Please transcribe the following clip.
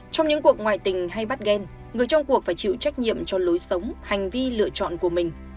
trong những cuộc ngoại tình hay bắt gan người trong cuộc phải chịu trách nhiệm cho lối sống hành vi lựa chọn của mình